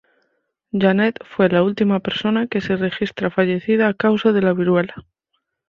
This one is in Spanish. Janet fue la última persona que se registra fallecida a causa de la Viruela.